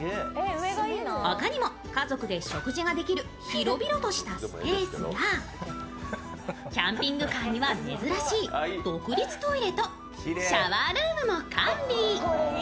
他にも家族で食事ができる広々としたスペ−スやキャンピングカーには珍しい独立トイレとシャワールームも完備。